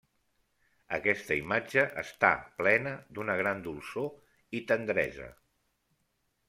Aquesta imatge està plena d'una gran dolçor i tendresa.